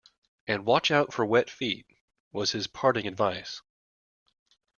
And watch out for wet feet, was his parting advice.